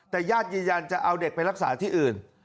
แต่ญาติยืนยันจะเอาเด็กไปรักษาที่อื่น